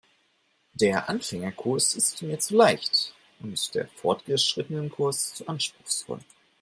Der Anfängerkurs ist mir zu leicht und der Fortgeschrittenenkurs zu anspruchsvoll.